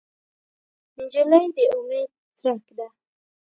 نجلۍ د امید څرک ده.